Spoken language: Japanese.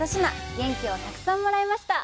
元気をたくさんもらいました！